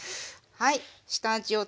はい。